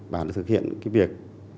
bà thực hiện cái việc